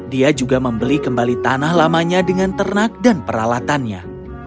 dia juga membeli kembali tanah lamanya dengan ternak dan peralatannya